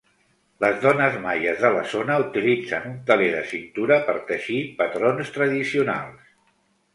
Les dones maies de la zona utilitzen un teler de cintura per teixir patrons tradicionals.